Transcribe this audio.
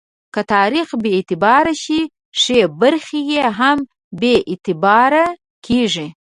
که تاریخ بې اعتباره شي، ښې برخې یې هم بې اعتباره کېږي.